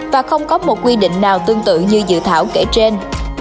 và không có một quy định nào tương tự như dự thảo kể trên